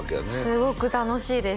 すごく楽しいです